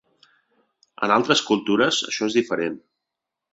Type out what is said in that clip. En altres cultures això és diferent.